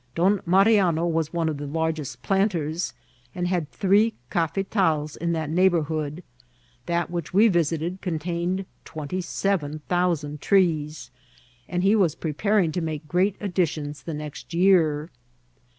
Don Mariano was one of the largest planters, and had three caf§tals in that neighbourhood ; that which we visited contained twenty seven thousand trees, and he was preparing to make great additions the next year.